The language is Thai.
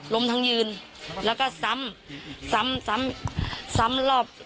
ทั้งยืนแล้วก็ซ้ำซ้ำซ้ำรอบ